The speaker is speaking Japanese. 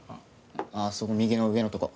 ああそこ右の上のとこ。